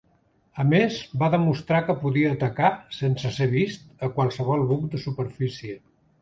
A més, va demostrar que podia atacar, sense ser vist, a qualsevol buc de superfície.